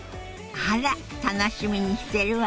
あら楽しみにしてるわ。